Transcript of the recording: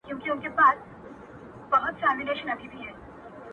له مُسکۍ ښکلي مي خولګۍ غوښته!